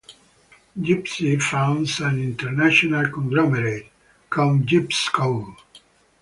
Gypsy founds an international conglomerate, ConGypsCo.